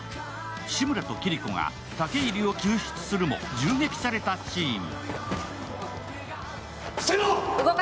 志村とキリコが武入を救出するも銃撃されたシーン。